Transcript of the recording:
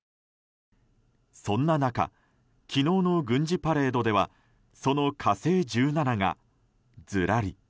そんな中昨日の軍事パレードではその「火星１７」がずらり。